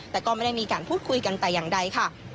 แต่ก็ไม่ได้มีการพูดคุยกันแต่อย่างใดค่ะ